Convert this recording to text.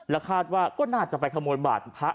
คาดว่าก็น่าจะไปขโมยบาทพระ